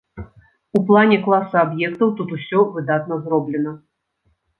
У плане класа аб'ектаў тут усё выдатна зроблена.